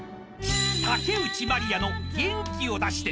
［竹内まりやの『元気を出して』］